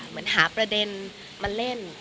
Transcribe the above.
เหมือนหาประเด็นมาเล่น